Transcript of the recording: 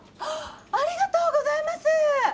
ありがとうございます。